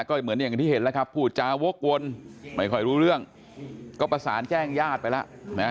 ก็เหมือนอย่างที่เห็นแล้วครับพูดจาวกวนไม่ค่อยรู้เรื่องก็ประสานแจ้งญาติไปแล้วนะฮะ